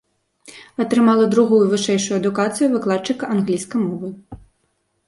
Атрымала другую вышэйшую адукацыю выкладчыка англійскай мовы.